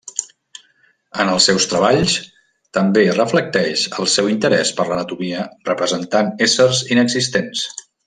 En els seus treballs també reflecteix el seu interès per l'anatomia representant éssers inexistents.